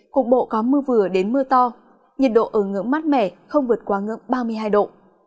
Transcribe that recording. cục bộ có mưa vừa đến mưa to nhiệt độ ở ngưỡng mát mẻ không vượt qua ngưỡng ba mươi hai độ